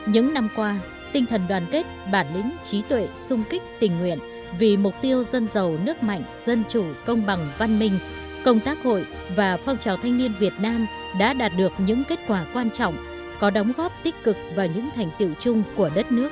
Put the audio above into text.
những năm qua tinh thần đoàn kết bản lĩnh trí tuệ sung kích tình nguyện vì mục tiêu dân giàu nước mạnh dân chủ công bằng văn minh công tác hội và phong trào thanh niên việt nam đã đạt được những kết quả quan trọng có đóng góp tích cực và những thành tựu chung của đất nước